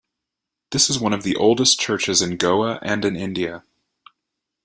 This is one of the oldest churches in Goa and in India.